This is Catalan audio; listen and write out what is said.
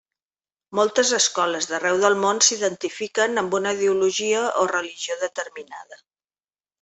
Moltes escoles d'arreu del món s'identifiquen amb una ideologia o religió determinada.